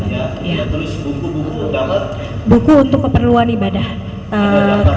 buku buku untuk keperluan ibadah karya setelah